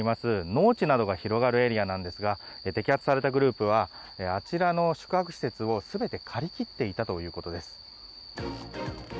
農地などが広がるエリアなんですが摘発されたグループはあちらの宿泊施設を全て借り切っていたということです。